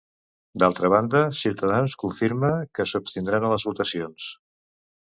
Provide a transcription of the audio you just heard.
D'altra banda, Ciutadans confirma que s'abstindran a les votacions.